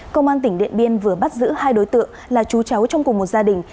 công an tp hcm vừa bắt giữ hai đối tượng là chú cháu trong cùng một gia đình